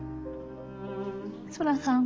そらさん？